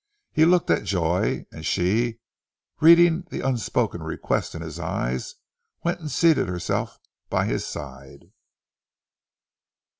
He looked at Joy, and she, reading the unspoken request in his eyes, went and seated herself by his side.